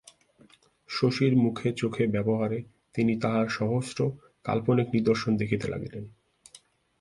শশীর মুখে চোখে ব্যবহারে তিনি তাহার সহস্র কাল্পনিক নিদর্শন দেখিতে লাগিলেন।